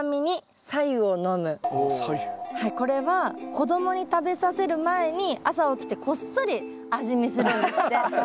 これは子供に食べさせる前に朝起きてこっそり味見するんですって。